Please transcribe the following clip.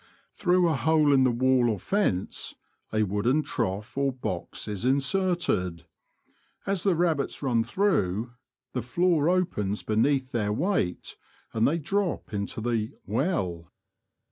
Through a hole in the wall or fence a wooden trough or box is inserted. As the rabbits run through, the floor opens be neath their weight, and they drop into the " well."